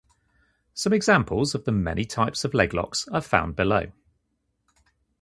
Some examples of the many types of leglocks are found below.